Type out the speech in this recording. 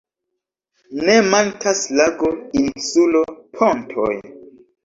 Ne mankas lago, insulo, pontoj.